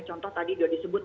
contoh tadi sudah disebut